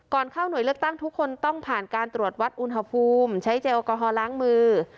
ก่อนเข้าหน่วยเลือกตั้งทุกคนต้องผ่านการตรวจวัดอุณหภูมิใช้เจลแอลกอฮอลล้างมือ